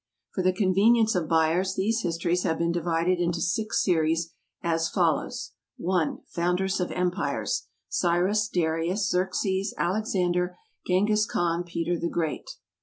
For the convenience of buyers, these Histories have been divided into Six Series, as follows: I. Founders of Empires. CYRUS. DARIUS. XERXES. ALEXANDER. GENGHIS KHAN. PETER THE GREAT.